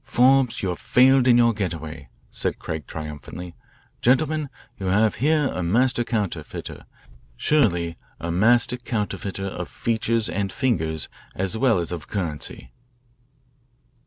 "Forbes, you have failed in your get away," said Craig triumphantly. "Gentlemen, you have here a master counterfeiter, surely a master counterfeiter of features and fingers as well as of currency."